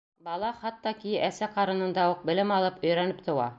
Бала хатта ки әсә ҡарынында уҡ белем алып, өйрәнеп тыуа.